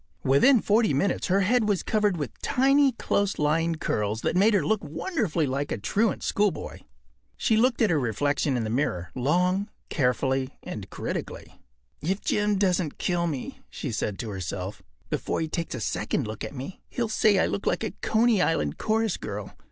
Within forty minutes her head was covered with tiny, close lying curls that made her look wonderfully like a truant schoolboy. She looked at her reflection in the mirror long, carefully, and critically. “If Jim doesn’t kill me,” she said to herself, “before he takes a second look at me, he’ll say I look like a Coney Island chorus girl.